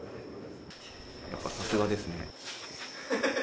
やっぱりさすがですね。